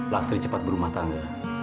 lastri cepat berumah tangga